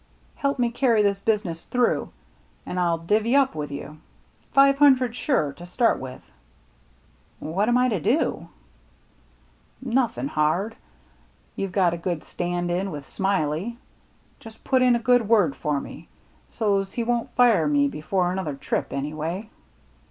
Help me carry this business through, an' I'll divvy up with you — five hundred, sure, to start with." "What am I to do?" BURNT COVE 137 "Nothin' hard. You've got a good stand in with Smiley. Just put in a word for me, so*s he won't fire me before another trip, any way.